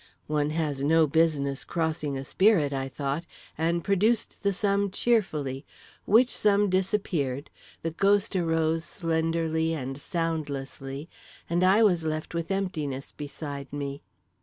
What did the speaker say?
One has no business crossing a spirit, I thought; and produced the sum cheerfully—which sum disappeared, the ghost arose slenderly and soundlessly, and I was left with emptiness beside me.